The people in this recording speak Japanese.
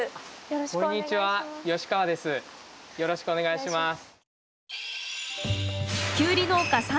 よろしくお願いします。